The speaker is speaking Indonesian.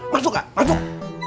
masuk gak masuk